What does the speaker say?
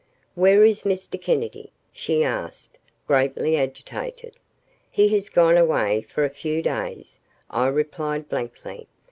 "Where is Mr. Kennedy?" she asked, greatly agitated. "He has gone away for a few days," I replied blankly.